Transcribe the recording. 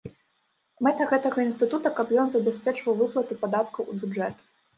Мэта гэтага інстытута, каб ён забяспечваў выплаты падаткаў у бюджэт.